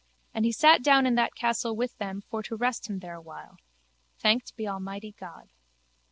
And he sat down in that castle with them for to rest him there awhile. Thanked be Almighty God.